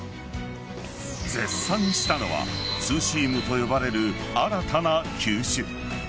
絶賛したのはツーシームと呼ばれる新たな球種。